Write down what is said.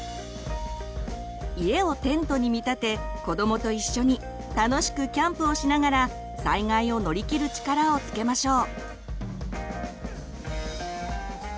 家をテントに見立て子どもと一緒に楽しくキャンプをしながら災害を乗り切る力をつけましょう。